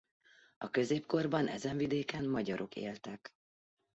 A középkorban ezen vidéken magyarok éltek.